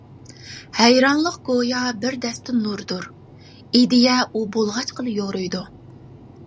ھەيرانلىق گويا بىر دەستە نۇردۇر، ئىدىيە ئۇ بولغاچقىلا يورۇيدۇ.